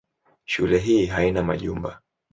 Shule hii hana majumba.